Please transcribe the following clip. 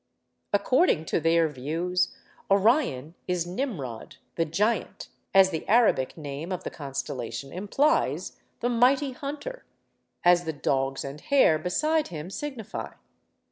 According to their views, Orion is Nimrod—the 'Giant,' as the Arabic name of the constellation implies—the mighty hunter, as the dogs and hare beside him signify.